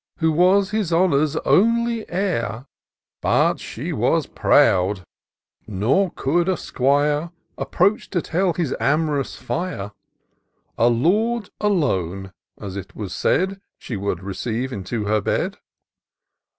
Who was his honour's only heir ; IN SEARCH OF THE PICTURESQUE. 41 But she was proud, nor could a squire Approach to tell his am'rous fire ; A lord alone, as it was said, She would receive into her bed.